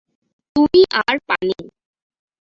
তুমি আর পানি।